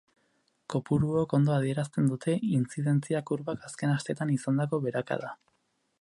Kopuruok ondo adierazten dute intzidentzia kurbak azken asteetan izandako beherakada.